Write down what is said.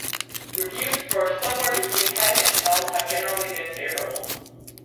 Reviews for "Somewhere Between Heaven and Hell" have generally been favorable.